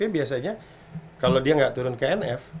biasanya kalau dia nggak turun ke nf